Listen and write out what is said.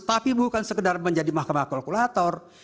tapi bukan sekedar menjadi mahkamah kolkulator